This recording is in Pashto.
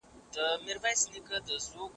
په یوه کتاب څوک نه ملا کېږي.